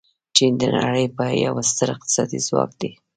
چین د نړۍ یو ستر اقتصادي ځواک دی.